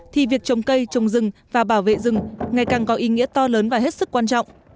thì việc trồng cây trồng rừng và bảo vệ rừng ngày càng có ý nghĩa to lớn và hết sức quan trọng